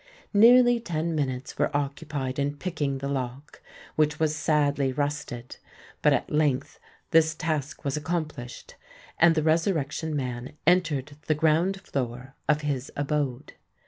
Nearly ten minutes were occupied in picking the lock, which was sadly rusted; but at length this task was accomplished—and the Resurrection Man entered the ground floor of his abode.